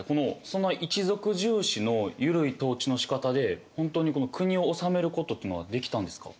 そんな一族重視のゆるい統治のしかたで本当に国を治めることっていうのはできたんですか？